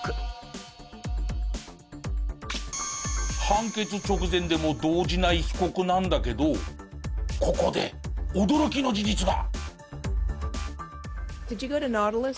判決直前でも動じない被告なんだけどここで驚きの事実が！